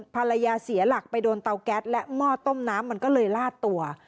ภรรยาเสียหลักไปโดนเตาแก๊สและหม้อต้มน้ำมันก็เลยลาดตัว